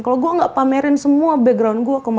kalo gue gak pamerin semua background gue ke mambo mambo